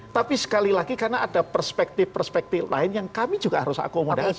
tapi sekali lagi karena ada perspektif perspektif lain yang kami juga harus akomodasi